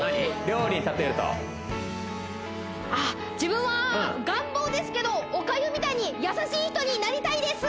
料理に例えると自分は願望ですけどおかゆみたいに優しい人になりたいです！